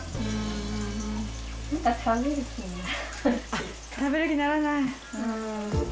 あっ食べる気にならない。